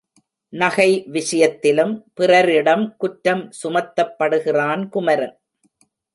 நகை விஷயத்திலும் பிறரிடம் குற்றம் சுமத்தப்படுகிறான் குமரன்.